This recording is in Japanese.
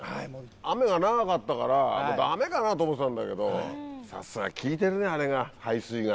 雨が長かったからダメかなと思ってたんだけどさすが効いてるね排水が。